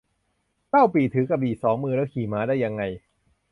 เล่าปี่ถือกระบี่สองมือ แล้วขี่ม้าได้ยังไง